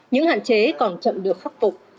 những hạn chế còn chậm được khắc phục